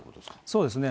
そうですね。